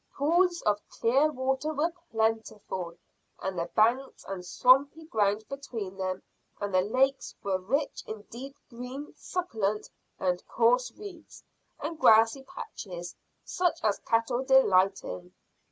Pools of clear water were plentiful, and the banks and swampy ground between them and the lakes were rich in deep green succulent and coarse reeds and grassy patches such as cattle delight in.